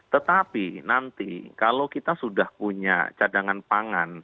tetapi nanti kalau kita sudah punya cadangan pangan